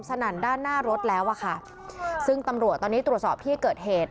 นั่นด้านหน้ารถแล้วอ่ะค่ะซึ่งตำรวจตอนนี้ตรวจสอบที่เกิดเหตุ